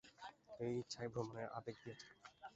এই ইচ্ছাই ভ্রমণের আবেগ দিয়াছিল।